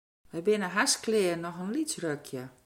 Wy binne hast klear, noch in lyts rukje.